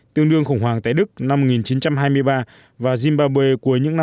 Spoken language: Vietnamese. tương đương khủng hoảng tại đức năm một nghìn chín trăm hai mươi ba và zimbabwe cuối những năm hai nghìn hai